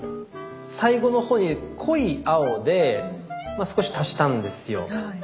最後の方に濃い青で少し足したんですよ。